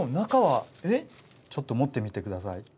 ちょっと持ってみて下さい。